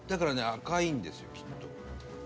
赤いんですよきっと。